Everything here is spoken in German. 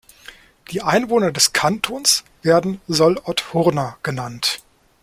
Die Einwohner des Kantons werden "Solothurner" genannt.